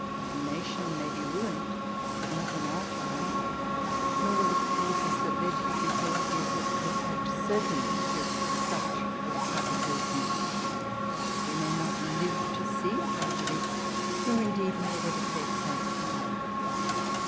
A nation may be ruined, but not in our time ; nor will the causes that led to it be so obvious as to attach certainly to such or such a person. We may not live to see the tragedy, nor indeed may it ever take place.